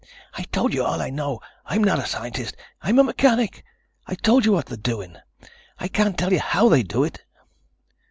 "I've told you all I know. I'm not a scientist. I'm a mechanic. I've told you what they're doing. I can't tell you how they do it."